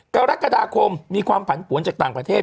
กรกฎาคมมีความผันปวนจากต่างประเทศ